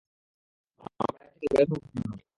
আমরা এখান থেকে বের হবো কিভাবে?